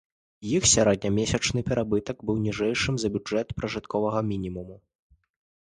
Іх сярэднемесячны прыбытак быў ніжэйшым за бюджэт пражытковага мінімуму.